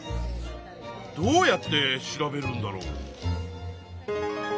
どうやって調べるんだろう？